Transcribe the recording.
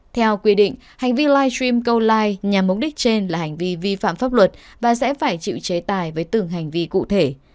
theo quy định hành vi live stream câu like nhằm mục đích trên là hành vi vi phạm pháp luật và sẽ phải chịu chế tài với từng hành vi cụ thể